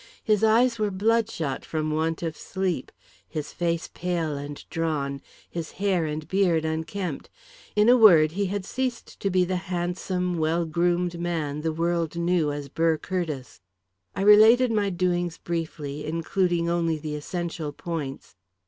His eyes were bloodshot from want of sleep, his face pale and drawn, his hair and beard unkempt. In a word, he had ceased to be the handsome, well groomed man the world knew as Burr Curtiss. I related my doings briefly, including only the essential points.